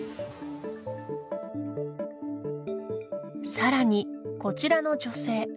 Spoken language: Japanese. さらに、こちらの女性。